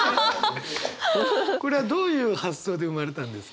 これはどういう発想で生まれたんですか？